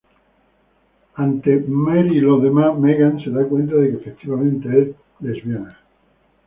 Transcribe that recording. Ante Mary y los demás, Megan se da cuenta de que efectivamente es lesbiana.